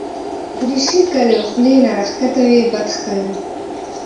دریشي که له خولې نه راښکته وي، بد ښکاري.